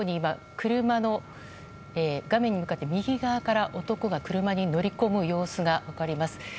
画面に向かって右側から男が車に乗り込む様子が分かります。